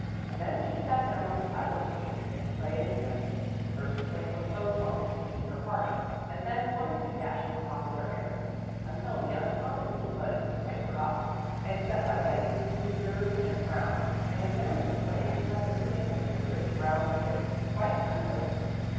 Then she sat down on the pile of cushions and played and sang, first a quaint little folk song suited to her part, and then one or two dashing popular airs, until the unaccommodating fudge was quite forgotten, except by Betty, who stirred and frowned, and examined the flame and tested the thickness of the rich brown liquid, quite unnoticed.